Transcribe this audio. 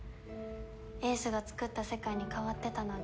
英寿がつくった世界に変わってたなんて。